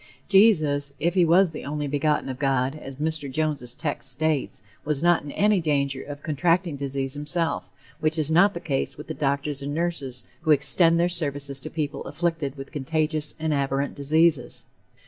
Jesus, if he was "the only begotten of God," as Mr. Jones' text states, was not in any danger of contracting disease himself, which is not the case with the doctors and nurses who extend their services to people afflicted with contagious and abhorrent diseases.